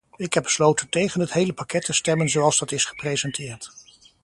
Ik heb besloten tegen het hele pakket te stemmen zoals dat is gepresenteerd.